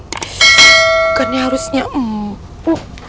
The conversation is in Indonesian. bukannya harusnya empuk